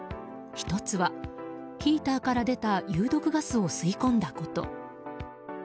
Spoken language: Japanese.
１つは、ヒーターから出た有毒ガスを吸い込んだこと。